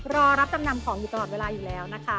รอรับจำนำของอยู่ตลอดเวลาอยู่แล้วนะคะ